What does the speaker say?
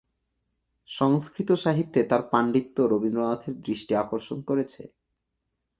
সংস্কৃত সাহিত্যে তার পাণ্ডিত্য রবীন্দ্রনাথের দৃষ্টি আকর্ষণ করেছে।